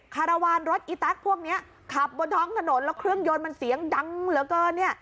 คารวาลรถอีแต๊กพวกนี้ขับบนท้องถนนแล้วเครื่องยนต์มันเสียงดังเหลือเกินเนี่ย